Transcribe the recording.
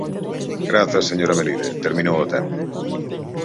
Grazas, señora Melide, terminou o tempo.